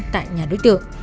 tại nhà đối tượng